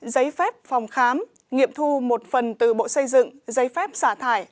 giấy phép phòng khám nghiệm thu một phần từ bộ xây dựng giấy phép xả thải